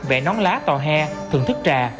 vẽ nón lá tòa hè thưởng thức trà